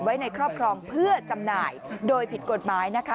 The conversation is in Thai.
ไว้ในครอบครองเพื่อจำหน่ายโดยผิดกฎหมายนะคะ